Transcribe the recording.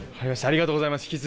ありがとうございます